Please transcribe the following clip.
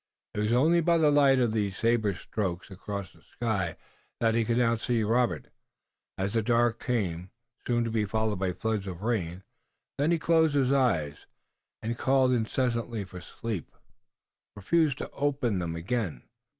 It was only by the light of these saber strokes across the sky that he could now see Robert, as the dark had come, soon to be followed by floods of rain. Then he closed his eyes, and calling incessantly for sleep, refused to open them again.